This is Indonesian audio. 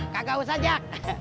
kagak usah jak